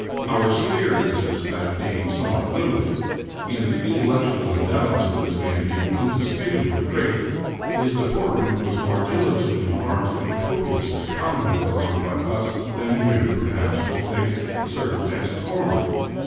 Our sphere in this respect being somewhat limited, and the intellectual endowments of this man being indisputably great, his deportment was more diligently marked and copi ously commented on by us than you, perhaps, will think the circumstances warranted.